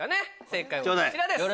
正解はこちらです。